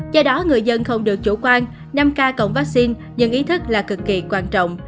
do đó người dân không được chủ quan năm k cộng vaccine nhưng ý thức là cực kỳ quan trọng